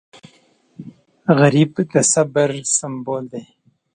غریب د صبر سمبول دی